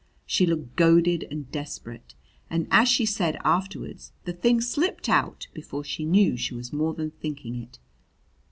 She looked goaded and desperate; and, as she said afterward, the thing slipped out before she knew she was more than thinking it.